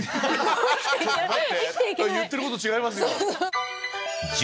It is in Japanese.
「言ってること違いますよ」。